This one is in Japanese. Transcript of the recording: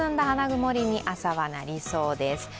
花曇りに朝はなりそうです。